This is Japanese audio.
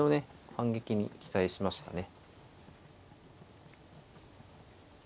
反撃に期待しましたね。